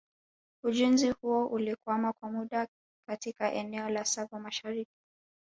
Ujenzi huo ulikwama kwa muda katika eneo la Tsavo mashariki